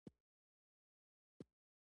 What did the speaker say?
زور د تورو پر سر ایښودل شوی و.